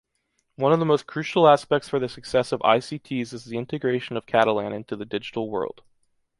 One of the most crucial aspects for the success of ICTs is the integration of Catalan into the digital world.